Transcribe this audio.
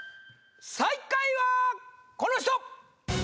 最下位はこの人！